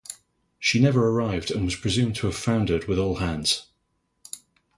She never arrived and was presumed to have foundered with all hands.